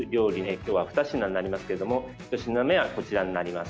今日は２品になりますが１品目は、こちらになります。